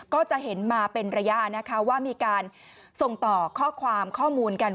ก็จะเห็นมาเป็นระยะนะคะว่ามีการส่งต่อข้อความข้อมูลกัน